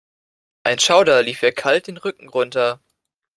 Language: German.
Ein Schauder lief ihr kalt den Rücken runter.